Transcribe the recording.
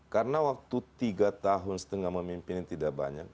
karena waktu tiga tahun setengah memimpin tidak banyak